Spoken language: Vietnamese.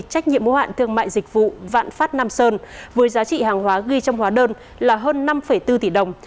trách nhiệm mô hạn thương mại dịch vụ vạn phát nam sơn với giá trị hàng hóa ghi trong hóa đơn là hơn năm bốn tỷ đồng